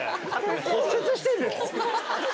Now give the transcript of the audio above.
骨折してんの？